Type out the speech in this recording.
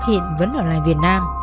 hiện vẫn ở lại việt nam